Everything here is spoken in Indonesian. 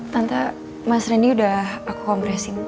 tante mas randy udah aku kongresin